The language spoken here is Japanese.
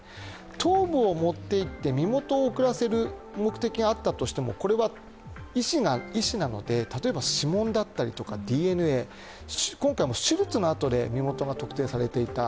頭部を持っていって身元を遅らせる目的があったとしてもこれは医師なので例えば指紋だったり、ＤＮＡ、今回も手術の痕で身元が特定されていた。